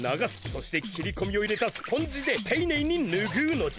そして切り込みを入れたスポンジでていねいにぬぐうのじゃ。